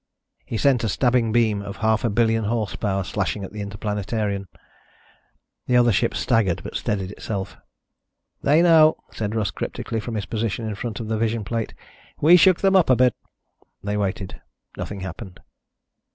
He sent a stabbing beam of half a billion horsepower slashing at the Interplanetarian. The other ship staggered but steadied itself. "They know," said Russ cryptically from his position in front of the vision plate. "We shook them up a bit." They waited. Nothing happened.